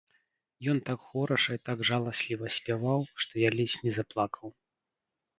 Ён так хораша і так жаласліва спяваў, што я ледзь не заплакаў.